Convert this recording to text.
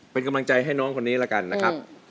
เป็นกำลังใจให้น้องคนนี้แล้วกันนะครับ